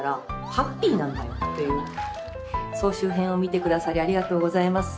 総集編を見て下さりありがとうございます。